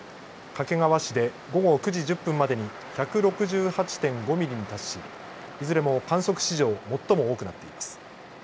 掛川市で午後９時１０分までに１６８．５ミリに達しいずれも観測史上最も多くなっています。